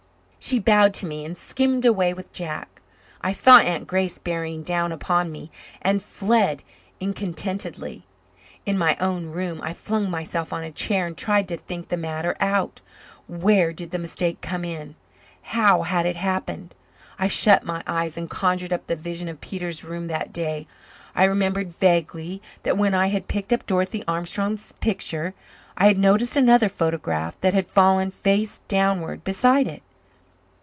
She bowed to me and skimmed away with Jack. I saw Aunt Grace bearing down upon me and fled incontinently. In my own room I flung myself on a chair and tried to think the matter out. Where did the mistake come in? How had it happened? I shut my eyes and conjured up the vision of Peter's room that day. I remembered vaguely that, when I had picked up Dorothy Armstrong's picture, I had noticed another photograph that had fallen face downward beside it.